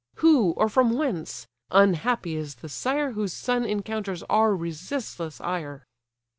Who, or from whence? Unhappy is the sire Whose son encounters our resistless ire."